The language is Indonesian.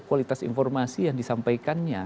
kualitas informasi yang disampaikannya